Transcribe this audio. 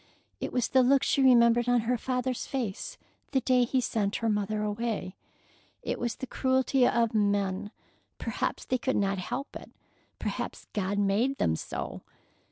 It was the look she remembered on her father's face the day he sent her mother away. It was the cruelty of men. Perhaps they could not help it. Perhaps God made them so.